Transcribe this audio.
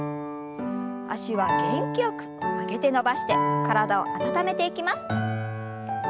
脚は元気よく曲げて伸ばして体を温めていきます。